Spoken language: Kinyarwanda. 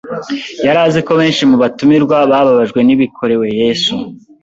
Yari azi ko benshi mu batumirwa bababajwe n'ibikorewe Yesu